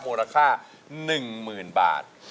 มูลค่า๑๐๐๐บาท